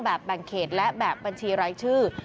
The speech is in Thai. แบบแบ่งเขตและแบบบัญชีไร้ชื่อ